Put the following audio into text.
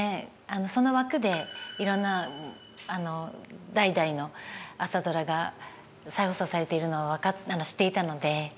その枠でいろんな代々の「朝ドラ」が再放送されているのは知っていたので。